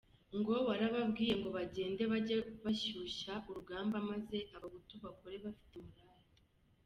Ngo warababwiye ngo bagende bajye bashyushya urugamba maze abahutu bakore bafite morali.